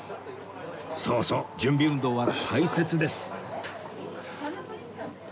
そうそう準備運動は大切です